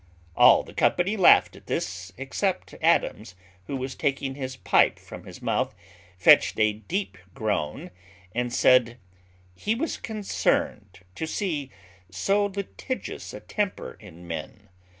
All the company laughed at this, except Adams, who, taking his pipe from his mouth, fetched a deep groan, and said, "He was concerned to see so litigious a temper in men.